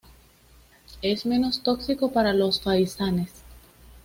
Es menos tóxico para los faisanes.